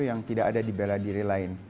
yang tidak ada di bela diri lain